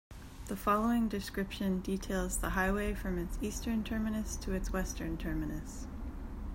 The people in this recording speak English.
The following description details the highway from its eastern terminus to its western terminus.